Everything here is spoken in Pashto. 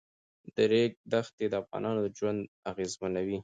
د ریګ دښتې د افغانانو ژوند اغېزمنوي.